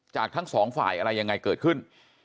ทั้งสองฝ่ายอะไรยังไงเกิดขึ้น